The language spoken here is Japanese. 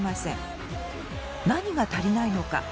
何が足りないのか。